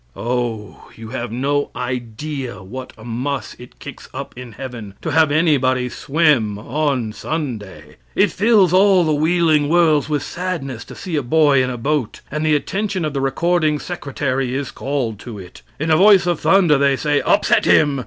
Oh, you have no idea what a muss it kicks up in heaven to have anybody swim on Sunday. It fills all the wheeling worlds with sadness to see a boy in a boat, and the attention of the recording secretary is called to it. In a voice of thunder they say, "Upset him!"